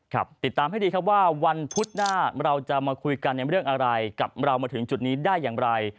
ติดตามให้ดีครับว่าวันพุธหน้าเราจะมาคุยกันในเรื่องอะไรกับเรามาถึงจุดนี้ได้อย่างไร